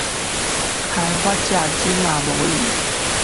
開發者現在沒空